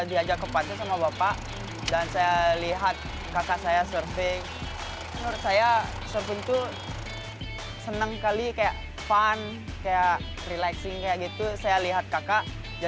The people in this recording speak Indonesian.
iketut agus editia putra